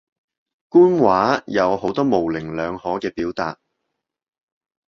官話有好多模棱兩可嘅表達